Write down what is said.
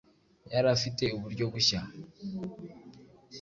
yari afite uburyo bushya